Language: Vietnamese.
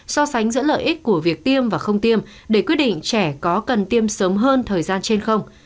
so sánh giữa lợi ích của việc tiêm và không tiêm để quyết định trẻ có cần tiêm sớm hơn thời gian trên không